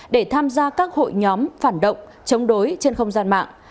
để tham gia các hội nhóm phản động chống đối trên không gian mạng